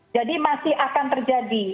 jadi masih akan terjadi